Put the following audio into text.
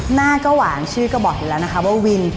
หน้าก็หวานชื่อก็บอกอยู่แล้วนะคะว่าวิน